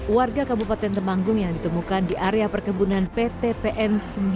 warga kabupaten temanggung yang ditemukan di area perkebunan pt pn sembilan